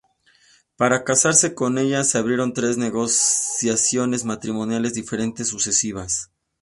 Para casarse con ella, se abrieron tres negociaciones matrimoniales diferentes sucesivas.